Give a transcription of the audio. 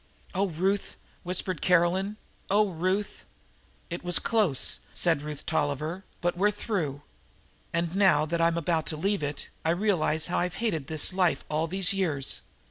"Oh, Ruth," whispered Caroline Smith. "Oh, Ruth!" "It was close," said Ruth Tolliver, "but we're through. And, now that I'm about to leave it, I realize how I've hated this life all these years.